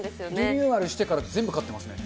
リニューアルしてから全部勝ってますね。